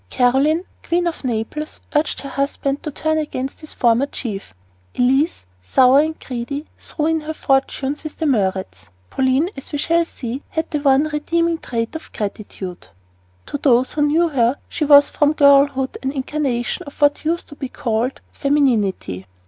Caroline, Queen of Naples, urged her husband to turn against his former chief. Elise, sour and greedy, threw in her fortunes with the Murats. Pauline, as we shall see, had the one redeeming trait of gratitude. To those who knew her she was from girlhood an incarnation of what used to be called "femininity."